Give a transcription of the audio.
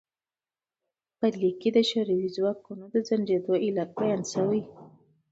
لیک کې د شوروي ځواکونو د ځنډیدو علت بیان شوی.